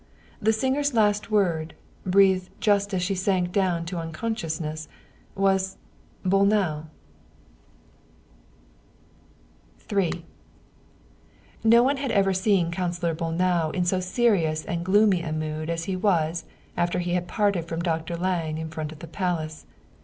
The sing er's last word, breathed just as she sank down unconscious, was Bolnau" III No one had ever seen Councilor Bolnau in so serious and gloomy a mood as he was after he had parted from Dr. Lange in front of the Palace.